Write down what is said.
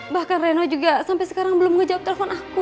bahkan reno juga sampai sekarang belum ngejawab telepon aku